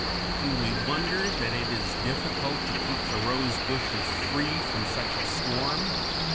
Can we wonder that it is difficult to keep the rose bushes free from such a swarm?